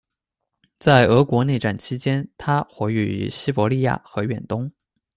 在俄国内战期间，他活跃于西伯利亚和远东。